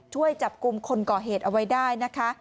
ช่วยจับกลุ่มคนก่อเหตุเอาไว้ได้นะคะ